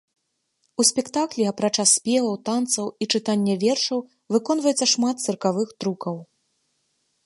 У спектаклі, апрача спеваў, танцаў і чытання вершаў, выконваецца шмат цыркавых трукаў.